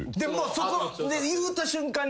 そこ言うた瞬間